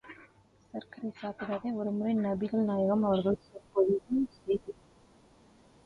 சர்க்கரை சாப்பிடாதே ஒருமுறை நபிகள் நாயகம் அவர்கள் சொற்பொழிவு செய்து கொண்டிருந்தார்கள்.